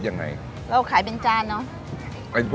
คนที่มาทานอย่างเงี้ยควรจะมาทานแบบคนเดียวนะครับ